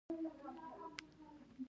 بوډۍ يودم ور وکتل: